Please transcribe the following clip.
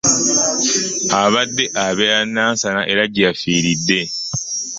Abadde abeera Nansana era gye yafiiridde.